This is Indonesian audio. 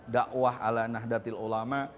dakwah ala nahdlatul ulama